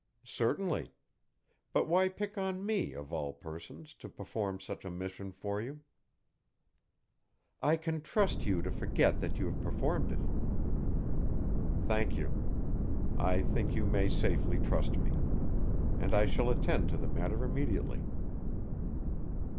"Certainly. But why pick on me, of all persons, to perform such a mission for you?" "I can trust you to forget that you have performed it." "Thank you. I think you may safely trust me. And I shall attend to the matter immediately."